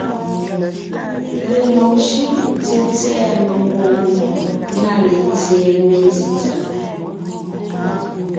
Lelɔg shʉ́ʼ tsètsɛ̀ɛ mengwòŋ na letseen metsítsà.